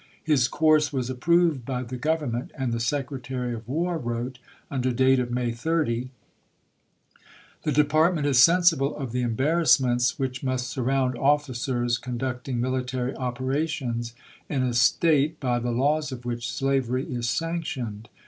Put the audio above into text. His course was approved by the Grovernment, and the Secretary of War wrote, under date of May 30: The Department is sensible of the embarrassments which must surround oflBcers conducting military opera tions in a State by the laws of which slavery is sanctioned.